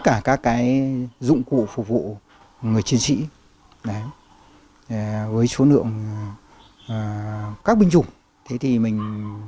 cả các cái dụng cụ phục vụ người chiến sĩ với số lượng các binh chủng thế thì mình